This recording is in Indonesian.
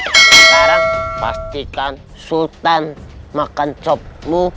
sekarang pastikan sultan makan copmu